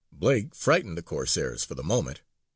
Blake frightened the Corsairs for the moment.